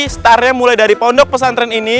starnya mulai dari pondok pesantren ini